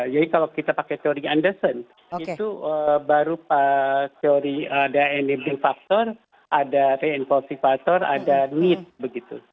jadi kalau kita pakai teori anderson itu baru teori ada enabling factor ada re impulsifator ada need begitu